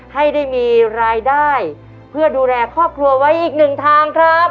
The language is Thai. ให้ได้มีรายได้เพื่อดูแลครอบครัวไว้อีกหนึ่งทางครับ